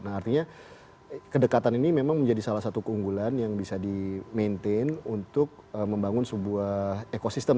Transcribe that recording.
nah artinya kedekatan ini memang menjadi salah satu keunggulan yang bisa di maintain untuk membangun sebuah ekosistem